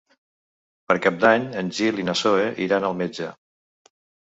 Per Cap d'Any en Gil i na Zoè iran al metge.